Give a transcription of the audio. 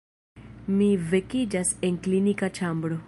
Mi vekiĝas en klinika ĉambro.